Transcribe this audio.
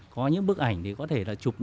có những bức ảnh thì có thể là chụp